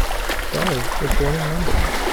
Brolly was born in London.